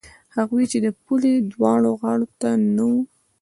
هغوی چې د پولې دواړو غاړو ته نه وو.